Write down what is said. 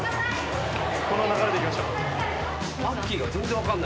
この流れでいきましょう。